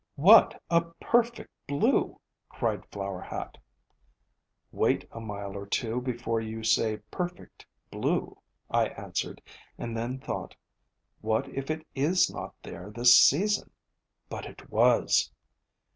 "What a perfect blue!" cried Flower Hat. "Wait a mile or two more before you say perfect blue," I answered, and then thought, What if it is not there this season? But it was!